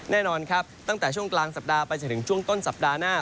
แน่นอนครับตั้งแต่ช่วงกลางสัปดาห์ไปจนถึงช่วงต้นสัปดาห์หน้า